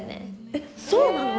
えっそうなの？